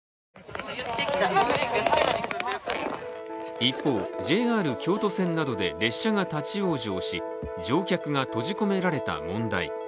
一方、ＪＲ京都線などで列車が立往生し乗客が閉じ込められた問題。